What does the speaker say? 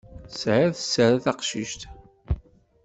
Tesɛiḍ sser a taqcict.